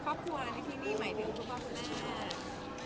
ครอบครัวในที่นี่หมายถึงคือบ้านสุดแหลก